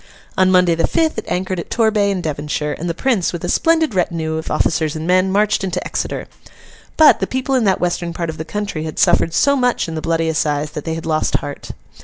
On Monday, the fifth, it anchored at Torbay in Devonshire, and the Prince, with a splendid retinue of officers and men, marched into Exeter. But the people in that western part of the country had suffered so much in The Bloody Assize, that they had lost heart.